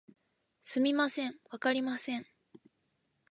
すみません、わかりません